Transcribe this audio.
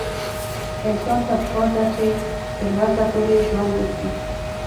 انسان ته پکار ده چې تر وسه پورې ژوند وکړي